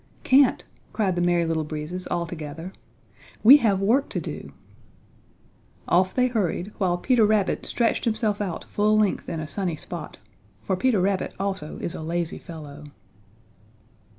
"Can't," cried the Merry Little Breezes all together, "we have work to do!" Off they hurried, while Peter Rabbit stretched himself out full length in a sunny spot, for Peter Rabbit also is a lazy fellow.